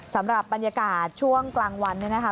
สำหรับบรรยากาศช่วงกลางวันเนี่ยนะคะ